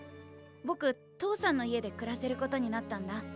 ぼく父さんの家で暮らせることになったんだ。